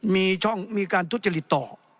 มีช่องมีการทุจริตต่อ